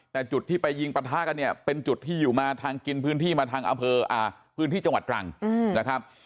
แต่จุดที่ไปยิงปะทะกันเนี่ยเป็นจุดที่อยู่มาทางกินพื้นที่มาทางอำเภอพื้นที่จังหวัดตรังนะครับ